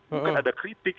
bukan ada kritik